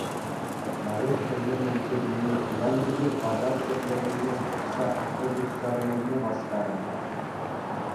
Маруҫ хӑйне мӗн кирлине туянчӗ те пасар кӗрлевӗнчен хӑпса автобус чарӑнӑвне васкарӗ.